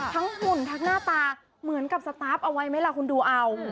หุ่นทั้งหน้าตาเหมือนกับสตาร์ฟเอาไว้ไหมล่ะคุณดูเอา